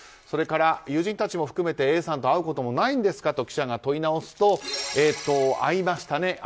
それから友人たちも含めてＡさんと会うこともないんですかと記者が問い直すとえっと会いましたね